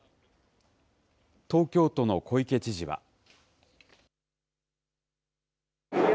東京都の小池知事は。